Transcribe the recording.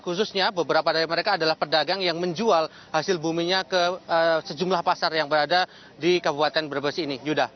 khususnya beberapa dari mereka adalah pedagang yang menjual hasil buminya ke sejumlah pasar yang berada di kabupaten brebes ini